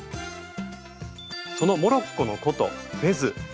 そのモロッコの古都フェズ。